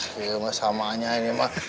sama samanya ini pak